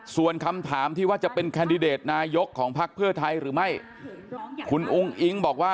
ส่วนคำถามที่ว่าจะเป็นเนยกของพักเพื่อไทยหรือไม่